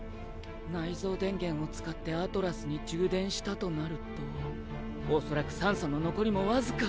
内蔵電源を使ってアトラスに充電したとなると恐らく酸素の残りもわずか。